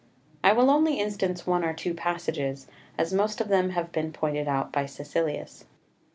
2 I will only instance one or two passages, as most of them have been pointed out by Caecilius.